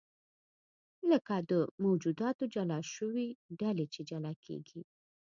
لکه د موجوداتو جلا شوې ډلې چې جلا کېږي.